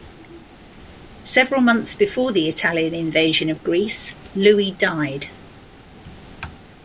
Several months before the Italian invasion of Greece, Louis died.